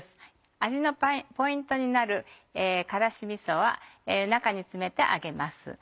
味のポイントになる辛子みそは中に詰めて揚げます。